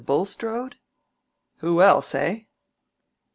Bulstrode?" "Who else, eh?"